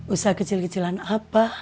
usaha kecil kecilan apa